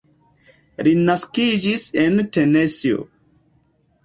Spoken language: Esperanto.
Li naskiĝis en Tenesio.